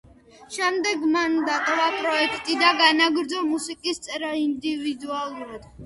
შემდეგ მან დატოვა პროექტი და განაგრძო მუსიკის წერა ინდივიდუალურად.